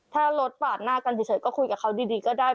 ถ้ารถปาดหน้ากันเฉยก็คุยกับเขาดีก็ได้